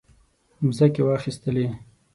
مځکې واخیستلې.